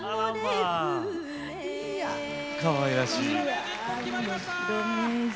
かわいらしい。